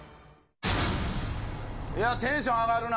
いや、テンション上がるな。